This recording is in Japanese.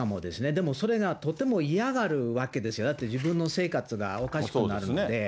でもそれがとても嫌がるわけですよ、だって自分の生活がおかしくなるので。